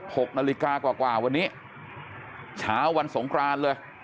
หกนาฬิกากว่ากว่าวันนี้เช้าวันสงครานเลย